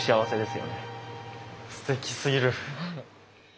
すてきすぎる。